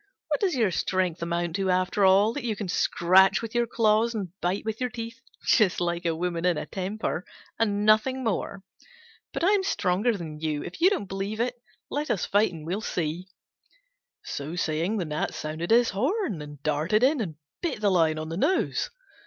What does your strength amount to after all? That you can scratch with your claws and bite with your teeth just like a woman in a temper and nothing more. But I'm stronger than you: if you don't believe it, let us fight and see." So saying, the Gnat sounded his horn, and darted in and bit the Lion on the nose.